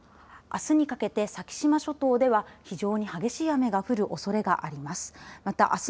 あすにかけて先島諸島では非常に激しい雨が降るおそれがあります。